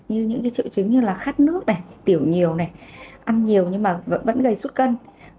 như những triệu chứng như khát nước tiểu nhiều ăn nhiều nhưng vẫn gây suốt cân